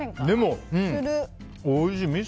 でも、おいしい。